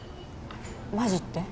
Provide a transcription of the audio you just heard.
マジって？